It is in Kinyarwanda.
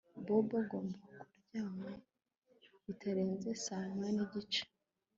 Bobby agomba kuryama bitarenze saa moya nigice